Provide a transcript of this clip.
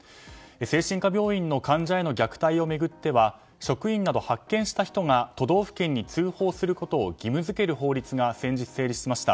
精神科病院の患者への虐待を巡っては職員など発見した人が都道府県に通報することを義務付ける法律が先日成立しました。